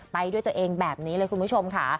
ไปด้วยตัวเองแบบนี้เลยคุณผู้ชมค่ะ